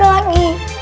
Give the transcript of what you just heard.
boleh gak ustadz